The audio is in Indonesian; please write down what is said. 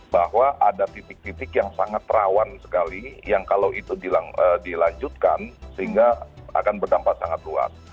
bahwa ada titik titik yang sangat rawan sekali yang kalau itu dilanjutkan sehingga akan berdampak sangat luas